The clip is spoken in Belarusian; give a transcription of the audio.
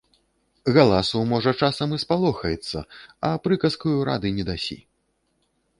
Галасу, можа, часам і спалохаецца, а прыказкаю рады не дасі.